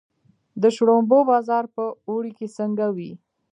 د شړومبو بازار په اوړي کې څنګه وي؟